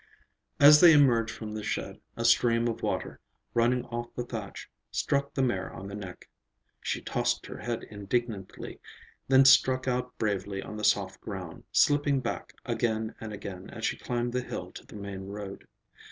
As they emerged from the shed, a stream of water, running off the thatch, struck the mare on the neck. She tossed her head indignantly, then struck out bravely on the soft ground, slipping back again and again as she climbed the hill to the main road.